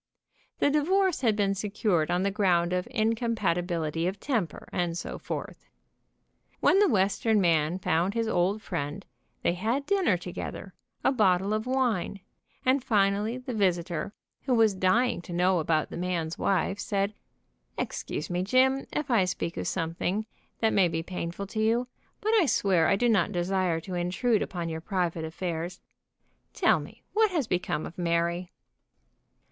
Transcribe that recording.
The di vorce had been secured on the ground of incompati bility of temper, and so forth. When the Western man found his old friend, they had dinner together, a bottle of wine, and finally the visitor, who was dying to know about the man's wife, said : ''Excuse me, Jim, if I speak of something that may be painful to you, but I swear I do not desire to in trude upon your private affairs. Tell me what has become of Mary."